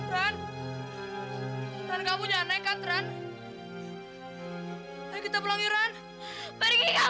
rani nggak mau ngapain di atas turun